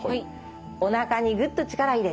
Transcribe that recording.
おなかにぐっと力入れて。